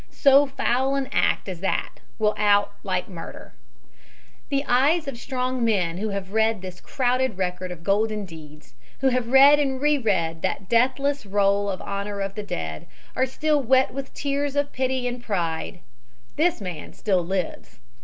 So foul an act as that will out like murder. The eyes of strong men who have read this crowded record of golden deeds, who have read and re read that deathless roll of honor of the dead, are still wet with tears of pity and of pride. This man still lives.